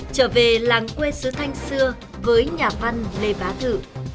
trở về làng quê sứ thanh xưa với nhà văn lê bá thự